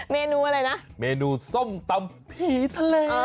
เมนูอะไรนะเมนูส้มตำผีทะเล